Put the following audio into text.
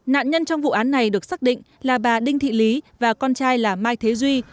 nạn nhân trong vụ án này được xác định là bà đinh thị lý và con trai là mai thế duy